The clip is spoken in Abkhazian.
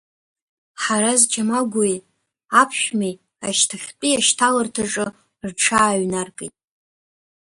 Ҳараз Чамагәуеи аԥшәмеи ашьҭахьтәи ашьҭаларҭаҿы рҽааҩнаркит.